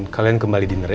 kalian kembali diner ya